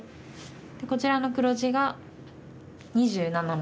こちらの黒地が２７目。